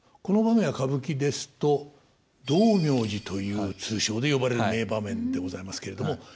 この場面は歌舞伎ですと「道明寺」という通称で呼ばれる名場面でございますけれども。